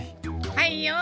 はいよ。